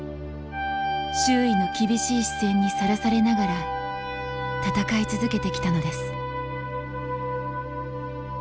周囲の厳しい視線にさらされながら戦い続けてきたのです。